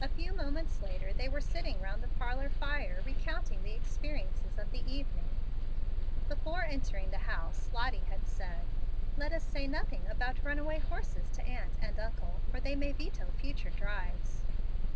A few moments later they were sitting round the parlor fire, recounting the experiences of the evening. Before entering the house Lottie had said, "Let us say nothing about runaway horses to aunt and uncle, or they may veto future drives."